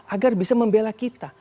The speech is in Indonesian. agar bisa membela kita